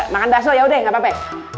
makan bakso yaudah gapapa